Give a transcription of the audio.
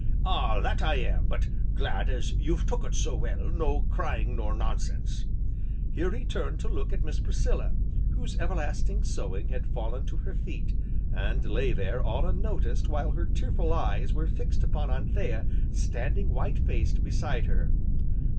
"Ah! that I am, but glad as you've took it so well, no crying nor nonsense!" Here he turned to look at Miss Priscilla, whose everlasting sewing had fallen to her feet, and lay there all unnoticed, while her tearful eyes were fixed upon Anthea, standing white faced beside her.